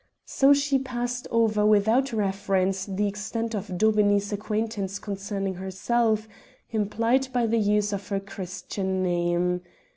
So she passed over without reference the extent of Daubeney's acquaintance concerning herself, implied by the use of her Christian name.